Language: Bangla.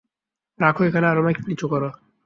রাখ এখানে আর মাইক নিচু কর।